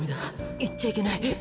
いっちゃいけない」。